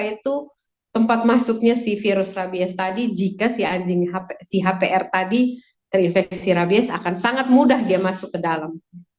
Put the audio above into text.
itu tempat masuknya si virus rabies tadi jika si hpr tadi terinfeksi rabies akan sangat mudah dia masuk ke dalam